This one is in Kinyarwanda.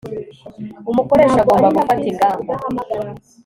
umukoresha agomba gufata ingamba